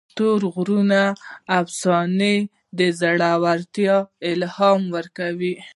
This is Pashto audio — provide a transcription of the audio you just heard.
د تورې غرونو افسانه د زړه ورتیا الهام ورکوي.